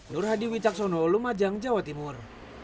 nur hadi wicaksono lumajang jawa timur